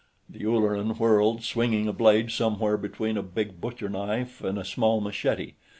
The Ulleran whirled, swinging a blade somewhere between a big butcherknife and a small machete.